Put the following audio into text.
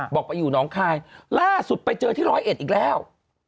บอกไปอยู่น้องคายล่าสุดไปเจอที่ร้อยเอ็ดอีกแล้ว